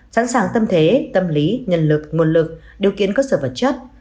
sẵn sàng tâm thế tâm lý nhân lực nguồn lực điều kiện cơ sở vật chất